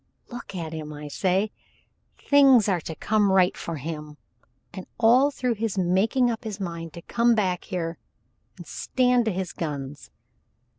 Look at him I say. Things are to come right for him, and all through his making up his mind to come back here and stand to his guns.